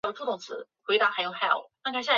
王隆之子。